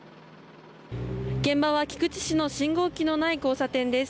現場は菊池市の信号機のない交差点です。